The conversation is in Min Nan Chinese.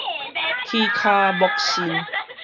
起跤揍身